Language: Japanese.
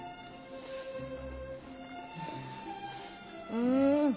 うん。